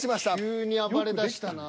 急に暴れだしたな。